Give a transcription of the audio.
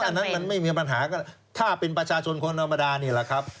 อันนั้นมันไม่มีปัญหาก็ถ้าเป็นประชาชนคนธรรมดานี่แหละครับ